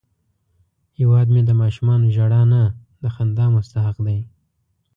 هیواد مې د ماشومانو ژړا نه، د خندا مستحق دی